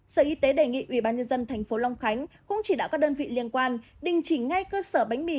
sở y tế đề nghị ubnd tp long khánh cũng chỉ đạo các đơn vị liên quan đình chỉ ngay cơ sở bánh mì